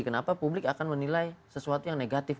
kenapa publik akan menilai sesuatu yang negatif